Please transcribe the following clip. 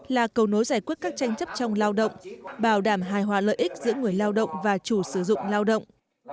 là cầu nối giải quyết các tranh chấp trong lao động bảo đảm hài hòa lợi ích giữa người lao động và chủ sử dụng lao động